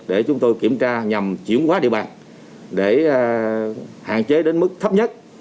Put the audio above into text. để chúng tôi kiểm tra nhằm chuyển hóa địa bàn để hạn chế đến mức thấp nhất